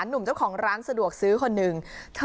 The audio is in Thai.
หนุ่มเจ้าของร้านสะดวกซื้อคนหนึ่ง